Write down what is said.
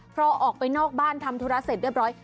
พอออกไปนอกบ้านทำธุระเสร็จเรียบร้อย